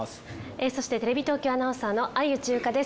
そしてテレビ東京アナウンサーの相内優香です。